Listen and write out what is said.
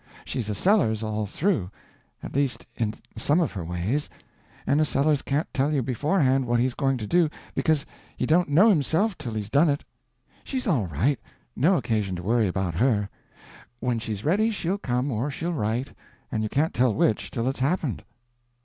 She's a Sellers, all through—at least in some of her ways; and a Sellers can't tell you beforehand what he's going to do, because he don't know himself till he's done it. She's all right; no occasion to worry about her. When she's ready she'll come or she'll write, and you can't tell which, till it's happened."